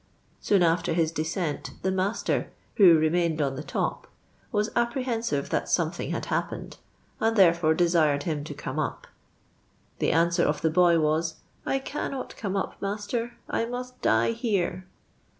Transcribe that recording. Soon after his dcKont, the master, who remaiiuid on the top, was apprehen sive that something had happened, and therefore desired him to come up ; the answer of the boy was, ' I cannot come up, master ; I must die here.'